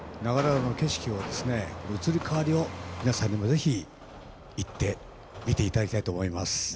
長良川の景色を移り変わりを皆さんにもぜひ行って見ていただきたいと思います。